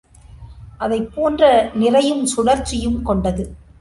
அதைப் போன்ற நிறையும் சுழற்சியும் கொண்டது.